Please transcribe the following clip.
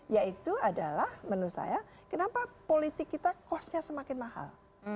yaitu adalah menurut saya kenapa politik kita costnya semakin mahal